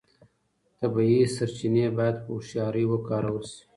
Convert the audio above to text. طبیعي سرچینې باید په هوښیارۍ وکارول شي.